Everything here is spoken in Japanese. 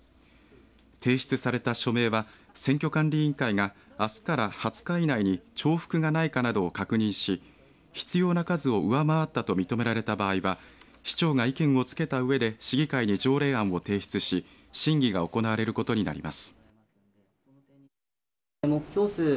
提出された署名は選挙管理委員会があすから２０日以内に重複がないかなどを確認し必要な数を上回ったと認められた場合は市長が意見をつけたうえで市議会に条例案を提出し審議が行われることになります。